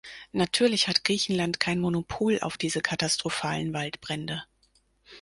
Natürlich hat Griechenland kein Monopol auf diese katastrophalen Waldbrände.